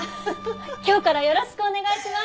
今日からよろしくお願いします！